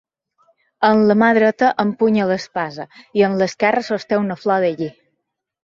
Amb la mà dreta empunya l'espasa, i amb l'esquerra sosté una flor de llir.